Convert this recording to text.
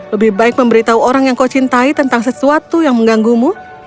lebih baik memberitahu orang yang kau cintai tentang sesuatu yang mengganggumu